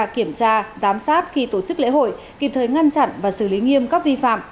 kiểm tra giám sát khi tổ chức lễ hội kịp thời ngăn chặn và xử lý nghiêm các vi phạm